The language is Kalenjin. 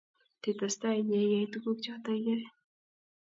titestai inye iyai tukuk choto iyoe